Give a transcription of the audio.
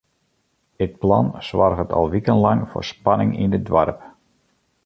It plan soarget al wikenlang foar spanning yn it doarp.